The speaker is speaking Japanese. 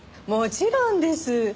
もちろんです。